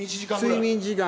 睡眠時間。